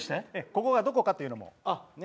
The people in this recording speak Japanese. ここがどこかというのも。